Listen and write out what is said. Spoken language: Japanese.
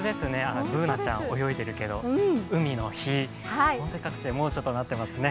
Ｂｏｏｎａちゃん、泳いでいるけど海の日、各地で猛暑となっていますね。